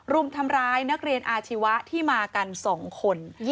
รุมทำร้ายนักเรียนอาชีวะที่มากัน๒คน